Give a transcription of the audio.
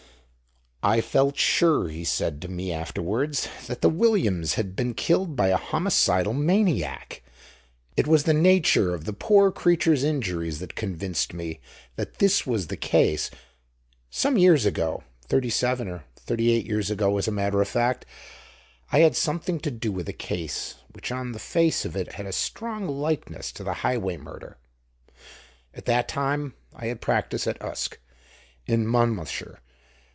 "I felt sure," he said to me afterwards, "that the Williams's had been killed by a homicidal maniac. It was the nature of the poor creatures' injuries that convinced me that this was the case. Some years ago—thirty seven or thirty eight years ago as a matter of fact—I had something to do with a case which on the face of it had a strong likeness to the Highway murder. At that time I had a practice at Usk, in Monmouthshire.